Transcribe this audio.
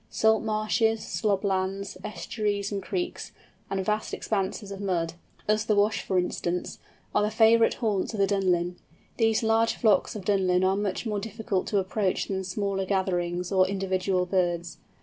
Salt marshes, slob lands, estuaries and creeks, and vast expanses of mud—as the Wash for instance, are the favourite haunts of the Dunlin. These large flocks of Dunlins are much more difficult to approach than smaller gatherings or individual birds.